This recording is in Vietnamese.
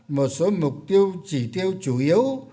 một số mục tiêu chỉ tiêu chủ yếu